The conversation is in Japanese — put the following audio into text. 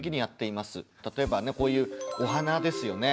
例えばねこういうお花ですよね。